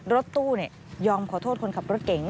รถตู้ยอมขอโทษคนขับรถเก๋ง